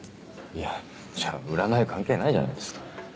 いやじゃあ占い関係ないじゃないですか。